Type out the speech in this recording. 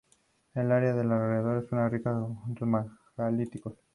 Fue llamada por sus amigos artistas ""Anjo bom"".